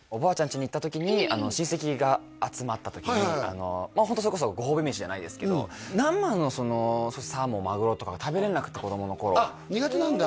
家に行った時に親戚が集まった時にホントそれこそご褒美飯じゃないですけど生のサーモンマグロとかが食べれなくて子供の頃あっ苦手なんだ？